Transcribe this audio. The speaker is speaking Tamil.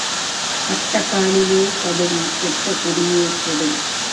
பட்ட காலிலே படும் கெட்ட குடியே கெடும்.